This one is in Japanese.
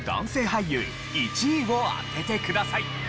俳優１位を当ててください。